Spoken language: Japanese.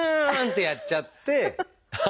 ってやっちゃって。